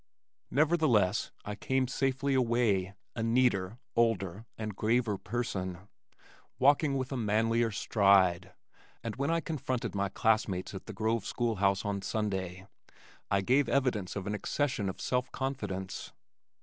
Nevertheless I came safely away, a neater, older and graver person, walking with a manlier stride, and when I confronted my classmates at the Grove school house on Sunday, I gave evidence of an accession of self confidence.